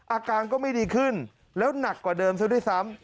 อาการก็ไม่ดีขึ้นแล้วหนักกว่าเดิมซะด้วยซ้ำ